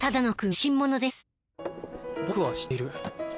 僕は知っている。